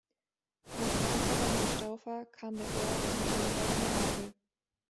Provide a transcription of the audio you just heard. Nach dem Untergang der Staufer kam der Ort zum Königreich Neapel.